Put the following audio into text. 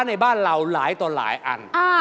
ในบ้านเราหลายต่อหลายอัน